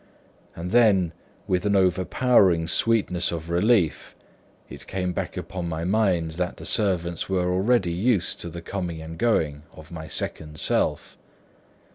And then with an overpowering sweetness of relief, it came back upon my mind that the servants were already used to the coming and going of my second self.